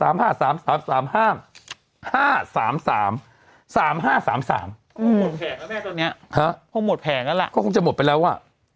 ๓๕๓๓๓๕๕๓๓๓๕๓๓แบบแรกตัวเนี้ยฮะก็หมดแผงแล้วล่ะก็คงจะหมดไปแล้วอ่ะ